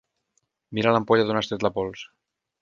Mira l'ampolla d'on has tret la pols.